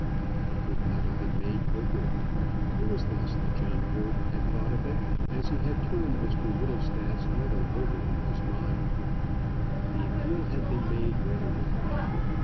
It could not have been made quicker. It was thus that John Gordon had thought of it as he had turned Mr Whittlestaff's letter over in his mind. The appeal had been made readily enough.